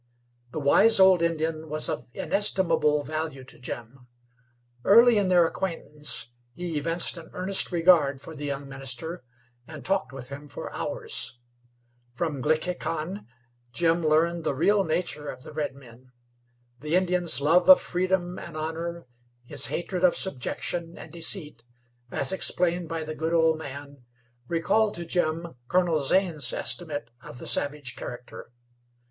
The wise old Indian was of inestimable value to Jim. Early in their acquaintance he evinced an earnest regard for the young minister, and talked with him for hours. From Glickhican Jim learned the real nature of the redmen. The Indian's love of freedom and honor, his hatred of subjection and deceit, as explained by the good old man, recalled to Jim Colonel Zane's estimate of the savage character.